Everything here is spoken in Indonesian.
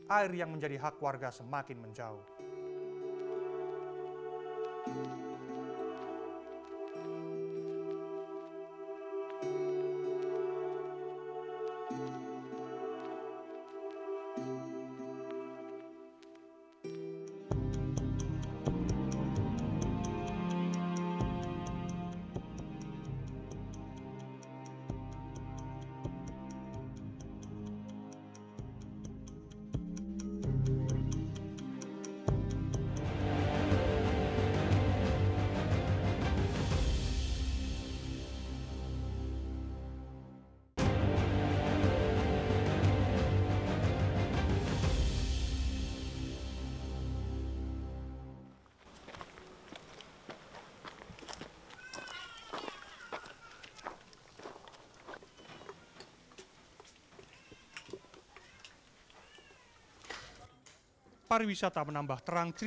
air yang menjadi hak warga semakin menjauh